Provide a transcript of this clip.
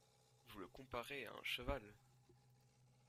Vous le comparez à un cheval !